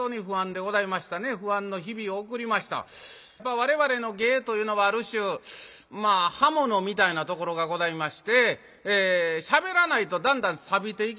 我々の芸というのはある種刃物みたいなところがございましてしゃべらないとだんだんさびていきますんでね